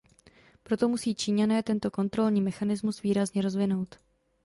Proto musí Číňané tento kontrolní mechanismus výrazně rozvinout.